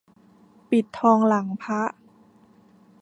ปิดทองหลังพระ